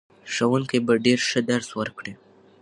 ښوونکي به ښه درس ورکړي.